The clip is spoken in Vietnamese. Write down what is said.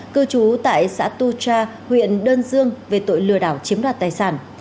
cư trú tại xã tu cha huyện đơn dương về tội lừa đảo chiếm đoạt tài sản